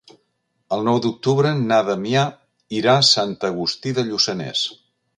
El nou d'octubre na Damià irà a Sant Agustí de Lluçanès.